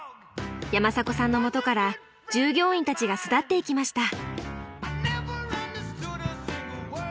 山迫さんのもとから従業員たちが巣立っていきました。